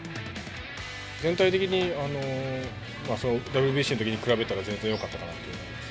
全体的にＷＢＣのときに比べたら、全然よかったかなと思います。